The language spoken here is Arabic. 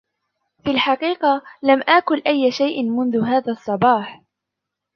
في الحقيقة لم آكل أي شيء منذ هذا الصباح.